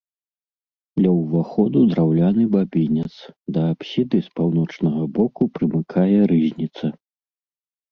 Ля ўваходу драўляны бабінец, да апсіды з паўночнага боку прымыкае рызніца.